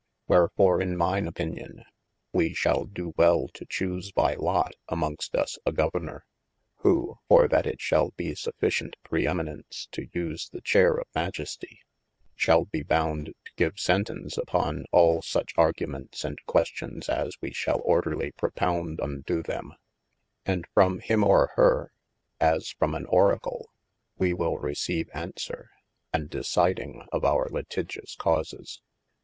Wherefore in mine opinion, we shall do well to chuse by lot amongst us a governour, who (for that it shalbe sufficient preheminence to use the chayre of majestie,) shalbe boud to give sentece uppon al suche arguments and questions as we shall orderly propound unto them : and from him or her (as from an oracle) wee will receive aunswere, and decyding of our lytigious causes.